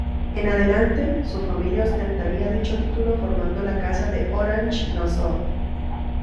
En adelante, su familia ostentaría dicho título formando la Casa de Orange-Nassau.